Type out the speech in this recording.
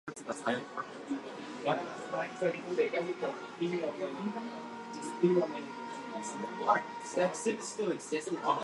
The entire stack was destroyed on impact with the Atlantic Ocean.